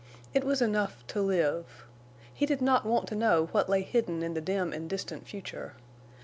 It was enough to live. He did not want to know what lay hidden in the dim and distant future.